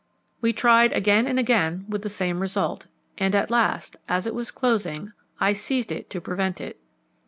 We tried it again and again with the same result, and at last, as it was closing, I seized it to prevent it.